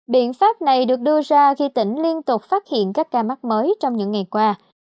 biện pháp này được đưa ra khi tỉnh liên tục phát hiện các ca mắc mới trong những ngày qua